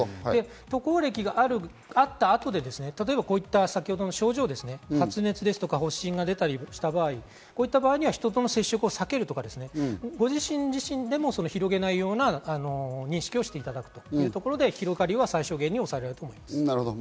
渡航歴があった後で、例えば先ほどの症状、発熱とか発疹が出たりした場合、人との接触を避けるとか、ご自身でも広げないような意識をしていただくというところで広がりは最小限に抑えられると思います。